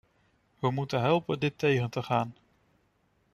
We moeten helpen dit tegen te gaan.